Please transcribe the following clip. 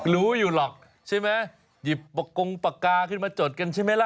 รู้อยู่หรอกใช่ไหมหยิบประกงปากกาขึ้นมาจดกันใช่ไหมล่ะ